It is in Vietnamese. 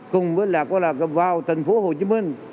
cùng với là gặp vào thành phố hồ chí minh